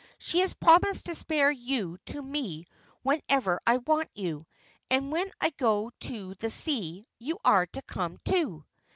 She has promised to spare you to me whenever I want you, and when I go to the sea you are to come, too."